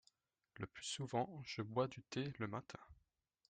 Le plus souvent je bois du thé le matin.